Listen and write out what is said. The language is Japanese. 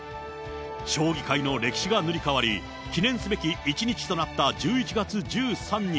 将棋界の歴史が塗り替わり、記念すべき１日となった１１月１３日。